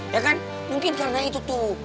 ya kan mungkin karena itu tuh